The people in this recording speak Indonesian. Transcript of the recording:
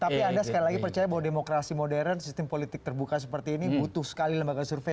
tapi anda sekali lagi percaya bahwa demokrasi modern sistem politik terbuka seperti ini butuh sekali lembaga survei